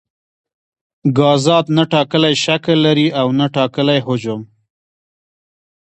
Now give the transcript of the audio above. ګازات نه ټاکلی شکل لري او نه ټاکلی حجم.